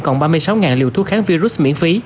còn ba mươi sáu liều thuốc kháng virus miễn phí